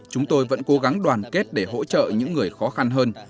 chúng tôi vẫn cố gắng đoàn kết để hỗ trợ những người khó khăn hơn